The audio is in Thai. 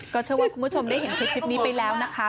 เชื่อว่าคุณผู้ชมได้เห็นคลิปนี้ไปแล้วนะคะ